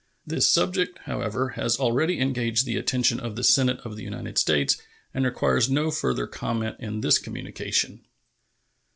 This subject, however, has already engaged the attention of the Senate of the United States, and requires no further comment in this communication.